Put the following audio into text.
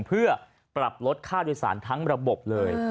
เพื่อปรับลดค่าโดยสารทั้งระบบเลย